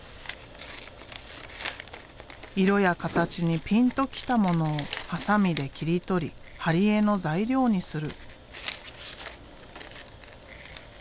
色や形にピンときたものをハサミで切り取り貼り絵の材料にする。